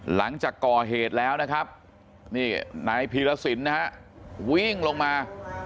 หลังจากก่อเหตุแล้วนะครับนี่นายพีรสินนะฮะวิ่งลงมา